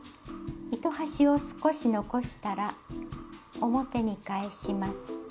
糸端を少し残したら表に返します。